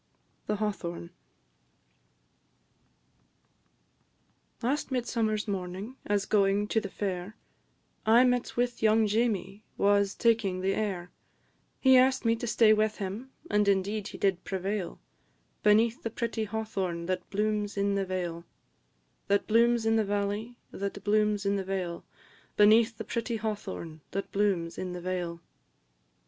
THE HAWTHORN. Last midsummer's morning, as going to the fair, I met with young Jamie, wh'as taking the air; He ask'd me to stay with him, and indeed he did prevail, Beneath the pretty hawthorn that blooms in the vale That blooms in the valley, that blooms in the vale, Beneath the pretty hawthorn that blooms in the vale.